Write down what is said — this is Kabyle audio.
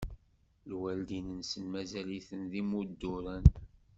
Lwaldin-nsen mazal-iten d imudduren.